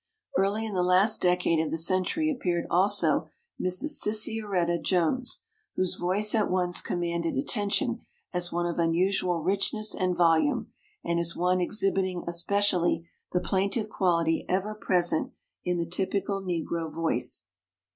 Early in the last decade of the century appeared also Mrs. Sissieretta Jones, whose voice at once commanded attention as one of unusual richness and volume, and as one exhibiting especially the plaintive quality ever present in the typical Negro voice.